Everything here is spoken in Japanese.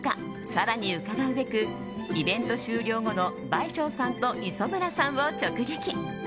更に伺うべくイベント終了後の倍賞さんと磯村さんを直撃。